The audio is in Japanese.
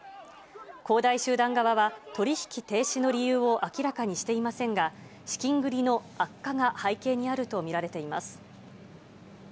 恒大集団側は、取り引き停止の理由を明らかにしていませんが、資金繰りの悪化が背景にあると見られています。